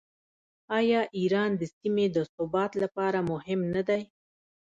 آیا ایران د سیمې د ثبات لپاره مهم نه دی؟